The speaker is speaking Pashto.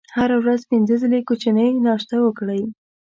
هره ورځ پنځه ځلې کوچنۍ ناشته وکړئ.